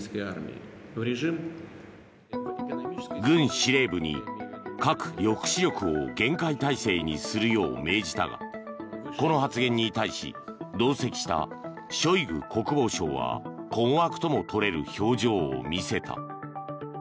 軍司令部に核抑止力を厳戒態勢にするよう命じたがこの発言に対し同席したショイグ国防相は困惑とも取れる表情を見せた。